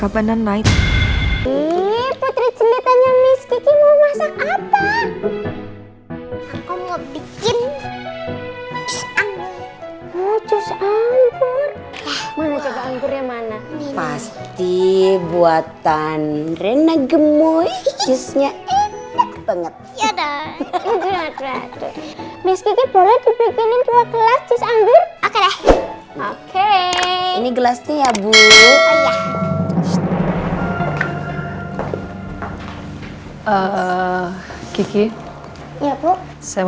apa ada sesuatu yang gak bisa aku jelasin